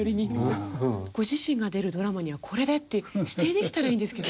ご自身が出るドラマにはこれでって指定できたらいいんですけどね。